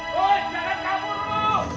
woi jangan kabur lu